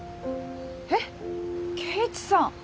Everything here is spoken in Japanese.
えっ圭一さん！